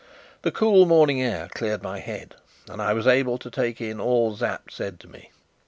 The cool morning air cleared my head, and I was able to take in all Sapt said to me.